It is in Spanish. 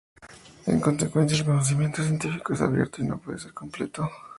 En consecuencia, el conocimiento científico es abierto y no puede ser completo.